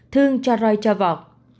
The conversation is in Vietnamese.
thương cho roi cho vọt